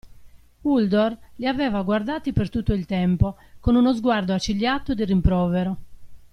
Uldor li aveva guardati per tutto il tempo con uno sguardo accigliato di rimprovero.